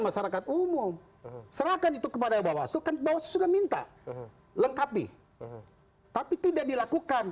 masyarakat umum serahkan itu kepada bahwa sukan bahwa sudah minta lengkapi tapi tidak dilakukan